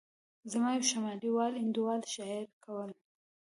زما یو شمالي وال انډیوال شاعري کوله.